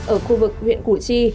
ở khu vực huyện củ chi